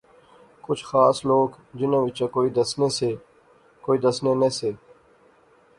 کچھ خاص لوک جنہاں وچا کوئی دسنے سے کوئی دسنے نہسے